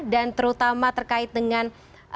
dan terutama terkait dengan